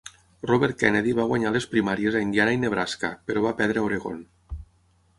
Robert Kennedy va guanyar les primàries a Indiana i Nebraska però va perdre a Oregon.